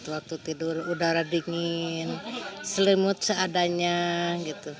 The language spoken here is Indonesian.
waktu tidur udara dingin selimut seadanya gitu